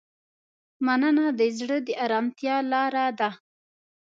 مننه د زړه د ارامتیا لاره ده.